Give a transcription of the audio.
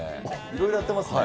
いろいろやってますね。